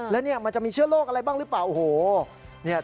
และมันจะมีเชื่อโลกอะไรบ้างหรือเปล่า